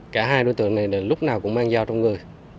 cả hai đối tượng này lúc nào cũng mang dao trong người